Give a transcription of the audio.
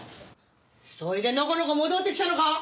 そいでのこのこ戻ってきたのか！